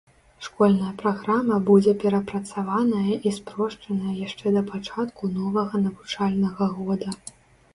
Школьная праграма будзе перапрацаваная і спрошчаная яшчэ да пачатку новага навучальнага года.